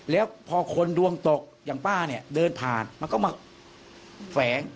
แล้วพอคนดวงตกอย่างป้าเนี่ยเดินผ่านมันก็มาแฝง